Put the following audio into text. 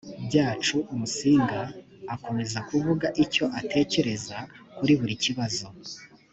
byacu musinga akomeza kuvuga icyo atekereza kuri buri kibazo